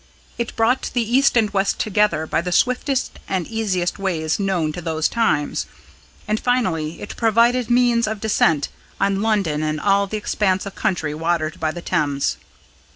It brought the east and the west together by the swiftest and easiest ways known to those times. And, finally, it provided means of descent on London and all the expanse of country watered by the Thames.